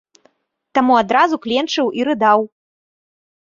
Таму адразу кленчыў і рыдаў!